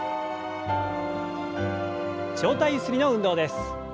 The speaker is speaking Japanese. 上体ゆすりの運動です。